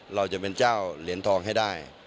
เราจะเป็นเจ้าเหรียญทองให้ได้